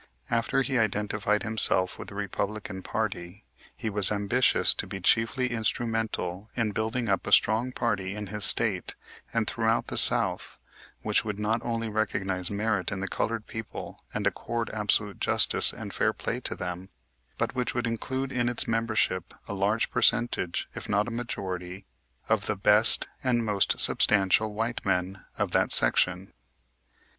After he identified himself with the Republican party he was ambitious to be chiefly instrumental in building up a strong party in his State and throughout the South which would not only recognize merit in the colored people and accord absolute justice and fair play to them, but which would include in its membership a large percentage, if not a majority, of the best and most substantial white men of that section.